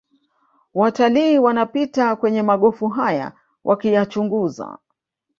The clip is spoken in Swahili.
Watalii wanapita kwenye magofu haya wakiyachunguza